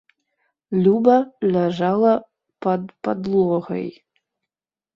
Люба ляжала пад падлогай.